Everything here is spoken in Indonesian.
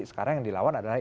sekarang yang dilawan adalah